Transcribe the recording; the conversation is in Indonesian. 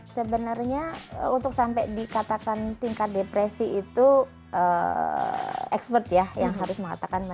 sebenarnya untuk sampai dikatakan tingkat depresi itu expert ya yang harus mengatakan